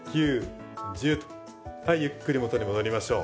はいゆっくり元に戻りましょう。